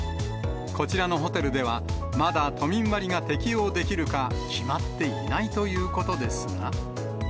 こちらのホテルでは、まだ都民割が適用できるか、決まっていないということですが。